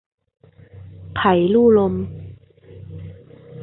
ไผ่ลู่ลม